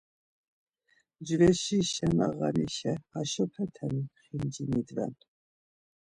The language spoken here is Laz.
Mcveşişen ağanişa haşopete xinci nindven.